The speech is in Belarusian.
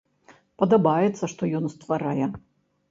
Падабаецца, што ён стварае.